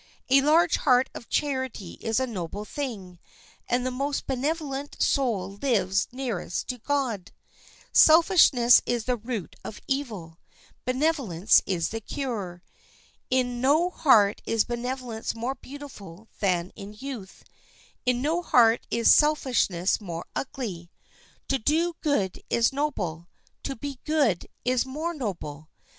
A large heart of charity is a noble thing, and the most benevolent soul lives nearest to God. Selfishness is the root of evil; benevolence is its cure. In no heart is benevolence more beautiful than in youth; in no heart is selfishness more ugly. To do good is noble; to be good is more noble.